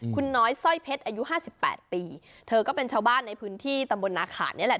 คุณน้อยสร้อยเพชรอายุห้าสิบแปดปีเธอก็เป็นชาวบ้านในพื้นที่ตำบลนาขาดนี่แหละ